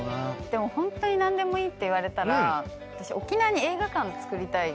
でもホントに何でもいいって言われたら私沖縄に映画館つくりたい。